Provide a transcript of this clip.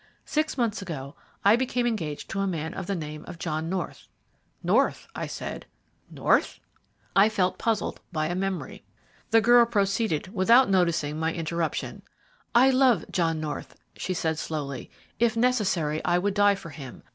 Six months ago I became engaged to a man of the name of John North." "North!" I said, "North." I felt puzzled by a memory. The girl proceeded without noticing my interruption. "I love John North," she said slowly. "If necessary, I would die for him.